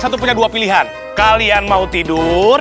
satu punya dua pilihan kalian mau tidur